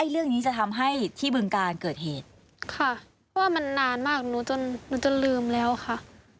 เรื่องนี้จะทำให้ที่บึงการเกิดเหตุค่ะเพราะว่ามันนานมากหนูจนหนูจนลืมแล้วค่ะ